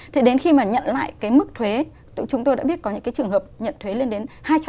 thì đến khi mà nhận lại cái mức thuế chúng tôi đã biết có những cái trường hợp nhận thuế lên đến hai trăm linh